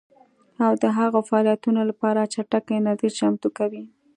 او د هغو فعالیتونو لپاره چټکه انرژي چمتو کوي